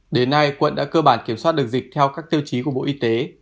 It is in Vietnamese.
đến nay quận đã cơ bản kiểm soát được dịch theo các tiêu chí của bộ y tế